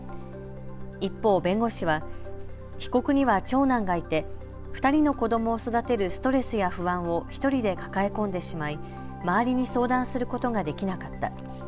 一方、弁護士は被告には長男がいて２人の子どもを育てるストレスや不安を１人で抱え込んでしまい周りに相談することができなかった。